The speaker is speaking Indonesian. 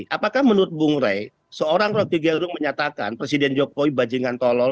apakah menurut bung rey seorang roky gerung menyatakan presiden jokowi bajingan tolol